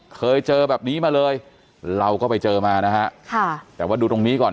เคยเจอแบบนี้มาเลยเราก็ไปเจอมานะฮะค่ะแต่ว่าดูตรงนี้ก่อน